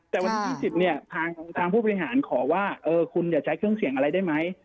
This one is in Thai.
แต่วันที่๒๐เนี่ยทางผู้บริหารขอว่าคุณอย่าใช้เครื่องเสียงอะไรได้ไหม